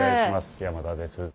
山田です。